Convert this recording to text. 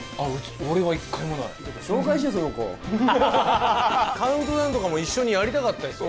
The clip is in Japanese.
俺は一回もない紹介してその子カウントダウンとかも一緒にやりたかったですよ